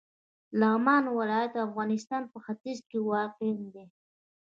لغمان ولایت د افغانستان په ختیځ کې واقع دی.